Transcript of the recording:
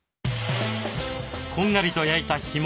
こんがりと焼いた干物。